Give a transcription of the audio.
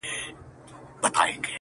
یو څو غمازي سترګي مي لیدلي دي په شپه کي؛